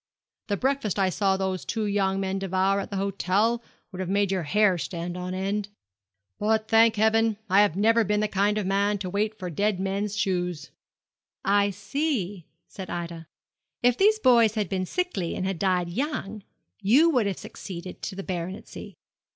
The breakfast I saw those two young men devour at the hotel would have made your hair stand on end. But, thank heaven, I have never been the kind of man to wait for dead men's shoes.' 'I see,' said Ida. 'If these boys had been sickly and had died young, you would have succeeded to the baronetcy.'